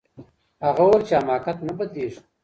هغه وویل چي حماقت نه بدلیږي.